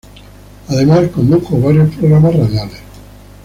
Además condujo varios programas radiales.